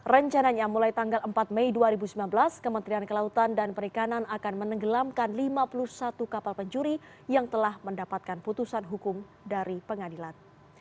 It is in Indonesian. rencananya mulai tanggal empat mei dua ribu sembilan belas kementerian kelautan dan perikanan akan menenggelamkan lima puluh satu kapal pencuri yang telah mendapatkan putusan hukum dari pengadilan